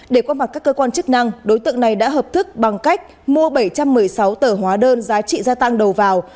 để qua mặt các cơ quan chức năng đối tượng này đã hợp thức bằng cách mua bảy trăm một mươi sáu tờ hóa đơn giá trị gia tăng đầu vào